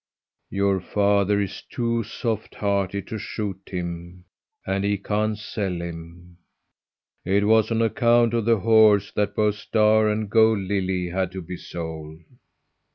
Your father is too soft hearted to shoot him and he can't sell him. It was on account of the horse that both Star and Gold Lily had to be sold."